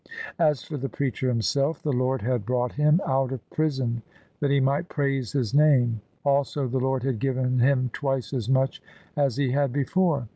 As for the preacher himself, the Lord had brought him out of prison that he might praise His Name, also the Lord had given him twice as much as he had before.